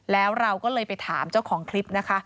แล้วเราก็เลยไปถามเจ้าของคลิปนะคะ